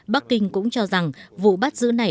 bắc kinh cũng cho rằng vụ bắt giữ này